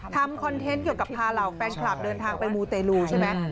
คอนเทนต์เกี่ยวกับพาเหล่าแฟนคลับเดินทางไปมูเตลูใช่ไหม